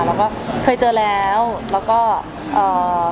แล้วก็เคยเจอแล้วแล้วก็เอ่อ